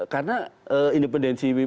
karena independensi pengadilan